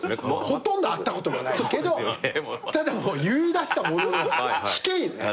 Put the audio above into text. ほとんど会ったこともないけどただ言いだしたものの引けんよね。